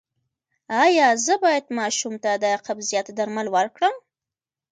ایا زه باید ماشوم ته د قبضیت درمل ورکړم؟